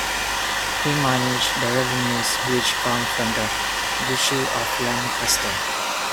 He manages the revenues which come from the Duchy of Lancaster.